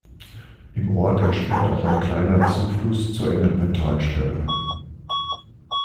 Im Ort entspringt auch ein kleiner Zufluss zur Ennepetalsperre.